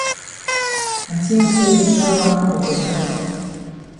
I tink say dat wan go beta.